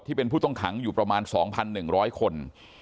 ที่เป็นผู้ต้องขังอยู่ประมาณ๒๑๐๐คน